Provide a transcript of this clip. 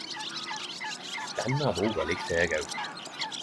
Denne boka likte eg og!